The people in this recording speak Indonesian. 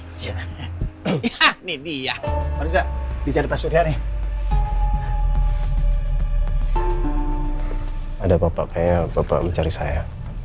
ini dia riza riza depan sudah nih ada bapak kayak bapak mencari saya